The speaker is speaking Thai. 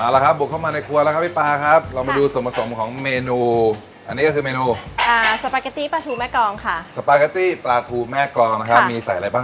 เอาละครับบุกเข้ามาในครัวแล้วครับพี่ปลาครับเรามาดูส่วนผสมของเมนูอันนี้ก็คือเมนูอ่าสปาเกตตี้ปลาทูแม่กรองค่ะสปาเกตตี้ปลาทูแม่กรองนะครับมีใส่อะไรบ้าง